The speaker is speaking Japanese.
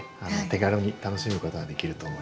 手軽に楽しむことができると思います。